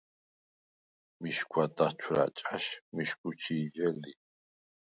მიშგვა დაჩვრა̈ ჭა̈შ მიშგუ ჩი̄ჟე ლი.